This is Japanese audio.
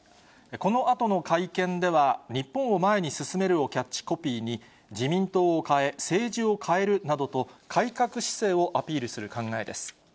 このあとの会見では、日本を前に進めるをキャッチコピーに、自民党を変え、政治を変えるなどと、改革姿勢をアピールする考えです。